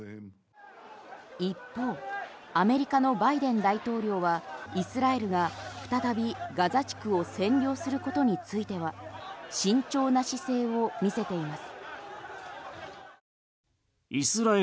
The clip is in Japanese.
一方アメリカのバイデン大統領はイスラエルが再びガザ地区を占領することについては慎重な姿勢を見せています。